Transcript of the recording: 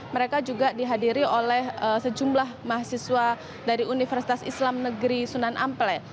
mereka juga dihadiri oleh sejumlah mahasiswa dari universitas islam negeri sunan ample